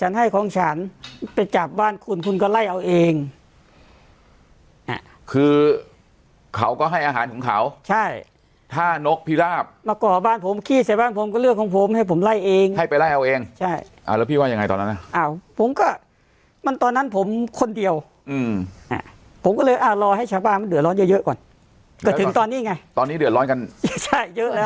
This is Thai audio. ฉันให้ของฉันไปจับบ้านคุณคุณก็ไล่เอาเองคือเขาก็ให้อาหารของเขาใช่ถ้านกพิราบมาก่อบ้านผมขี้ใส่บ้านผมก็เรื่องของผมให้ผมไล่เองให้ไปไล่เอาเองใช่อ่าแล้วพี่ว่ายังไงตอนนั้นอ่ะอ้าวผมก็มันตอนนั้นผมคนเดียวอืมอ่าผมก็เลยอ่ารอให้ชาวบ้านมันเดือดร้อนเยอะเยอะก่อนก็ถึงตอนนี้ไงตอนนี้เดือดร้อนกันใช่เยอะแล้ว